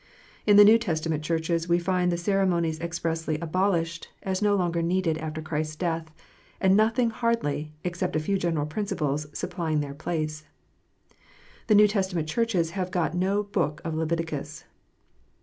In the New Testament Churches we find the cere monies expressly abolished, as no longer needed after Christ s death, and nothing hardly, except a few general principles, supplying their place. The New Testament Churches have got no book of Leviticus.